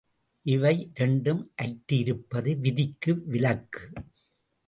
இவை இரண்டும் அற்று இருப்பது விதிக்கு விலக்கு.